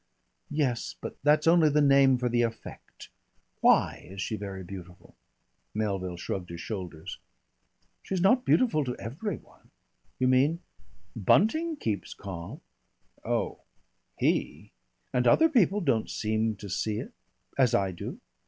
"Yes, but that's only the name for the effect. Why is she very beautiful?" Melville shrugged his shoulders. "She's not beautiful to every one." "You mean?" "Bunting keeps calm." "Oh he !" "And other people don't seem to see it as I do."